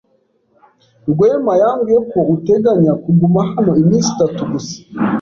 Rwema yambwiye ko uteganya kuguma hano iminsi itatu gusa.